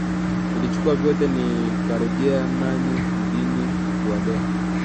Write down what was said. Niliwachukua nyote nikarejea nanyi jijini kuwalea